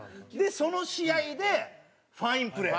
その試合でファインプレー。